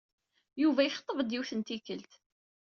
Yuba yexḍeb-d, yiwet n tikkelt.